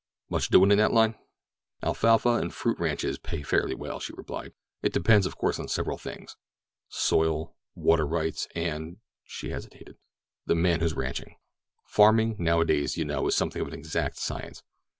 Much doing in that line?" "Alfalfa and fruit ranches pay fairly well," she replied. "It depends, of course, on several things—soil, water rights and—" she hesitated—"the man who's ranching. Farming nowadays, you know, is something of an exact science.